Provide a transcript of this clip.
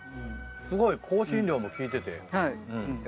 すごい香辛料も効いてておいしい。